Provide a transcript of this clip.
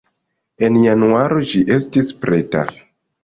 En januaro ĝi estis preta.